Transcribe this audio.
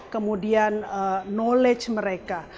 kemudian knowledge mereka